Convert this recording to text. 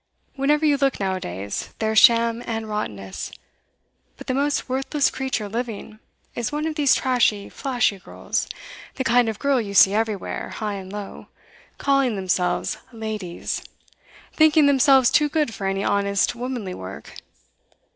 Wherever you look now a days there's sham and rottenness; but the most worthless creature living is one of these trashy, flashy girls, the kind of girl you see everywhere, high and low, calling themselves "ladies," thinking themselves too good for any honest, womanly work.